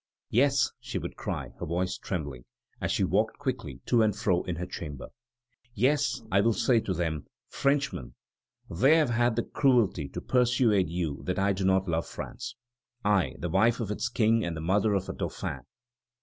"Yes," she would cry, her voice trembling, as she walked quickly to and fro in her chamber, "yes, I will say to them: Frenchmen, they have had the cruelty to persuade you that I do not love France, I, the wife of its King and the mother of a Dauphin!"